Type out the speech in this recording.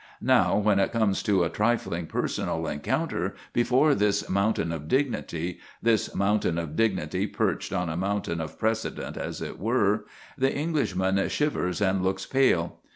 Now, when it comes to a trifling personal encounter before this mountain of dignity this mountain of dignity perched on a mountain of precedent, as it were the Englishman shivers and looks pale.